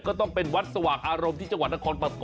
ก็ต้องเป็นวัดสว่างอารมณ์ที่จังหวัดนครปฐม